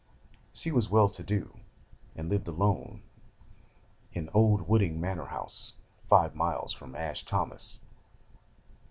'She was well to do, and lived alone in old Wooding Manor house, five miles from Ash Thomas.